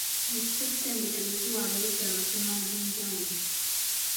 Zi ssettendekero ziwa abayizi amasomo ag'enjawulo.